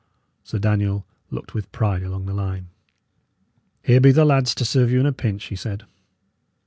Sir Daniel looked with pride along the line. "Here be the lads to serve you in a pinch," he said.